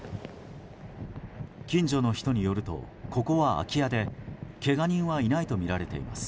近所の人によるとここは空き家でけが人はいないとみられています。